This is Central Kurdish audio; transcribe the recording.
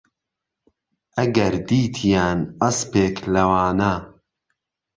ئهگهر دیتییان ئهسپێک لەوانه